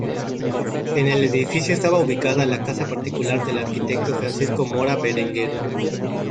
En el edificio estaba ubicada la casa particular del arquitecto Francisco Mora Berenguer.